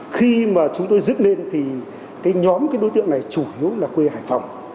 khi mà chúng tôi dựng lên thì cái nhóm cái đối tượng này chủ yếu là quê hải phòng